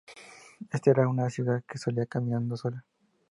Esta era una ciudad que salía caminando sola.